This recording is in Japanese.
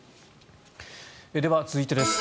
では、続いてです。